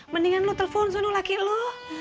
mendingan lu telpon sunuh laki lu